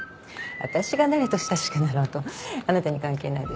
私が誰と親しくなろうとあなたに関係ないでしょ。